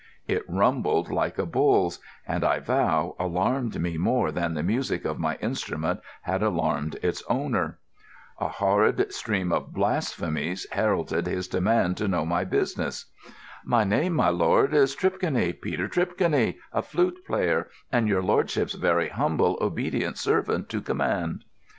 It rumbled like a bull's and, I vow, alarmed me more than the music of my instrument had alarmed its owner. A horrid stream of blasphemies heralded his demand to know my business. "My name, my lord, is Tripconey—Peter Tripconey, a flute player, and your lordship's very humble, obedient servant to command."